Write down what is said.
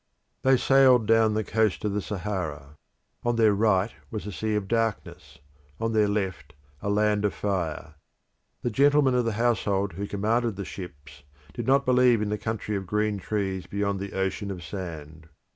They sailed down the coast of the Sahara; on their right was a sea of darkness, on their left a land of fire. The gentlemen of the household who commanded the ships did not believe in the country of green trees beyond the ocean of sand.